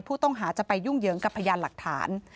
ผู้ต้องหาจะไปยุ่งเหยิงกับพยานหลักฐาน